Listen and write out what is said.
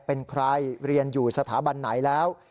เป็นใครเรียนอยู่สถาบันไหนแล้ว